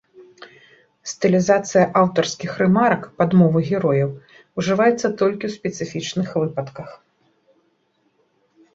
Стылізацыя аўтарскіх рэмарак пад мову герояў ужываецца толькі ў спецыфічных выпадках.